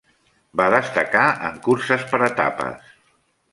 Va destacar en curses per etapes.